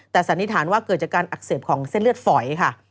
แต่สันนิษฐานว่าเกิดจากการอักเสบของเส้นเลือดฝอยค่ะ